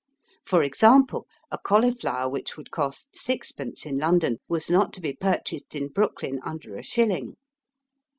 For example, a cauliflower which would cost sixpence in London was not to be purchased in Brooklyn under a shilling.